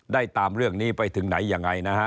ตามเรื่องนี้ไปถึงไหนยังไงนะฮะ